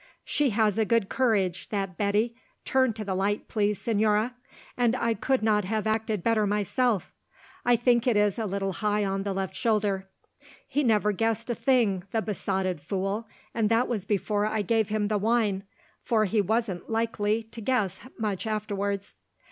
"She has a good courage, that Betty—turn to the light, please, Señora—I could not have acted better myself—I think it is a little high on the left shoulder. He never guessed a thing, the besotted fool, and that was before I gave him the wine, for he wasn't likely to guess much afterwards.